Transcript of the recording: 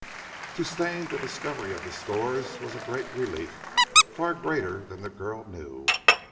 To Stane the discovery of the stores was a great relief, far greater than the girl knew.